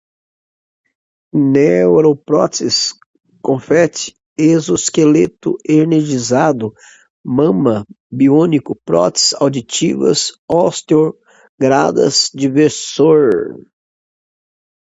neuropróteses, confetti, exoesqueleto energizado, mama, biônico, próteses auditivas osteointegradas, diversor